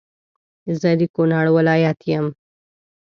زه د کونړ ولایت یم